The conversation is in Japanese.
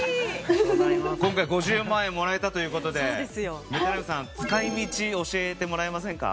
今回５０万円もらえたという事でメタらいおんさん使い道教えてもらえませんか？